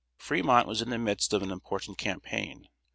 Fremont was in the midst of an important campaign.